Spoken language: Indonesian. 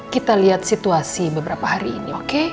kita lihat situasi beberapa hari ini